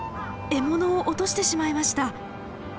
獲物を落としてしまいました。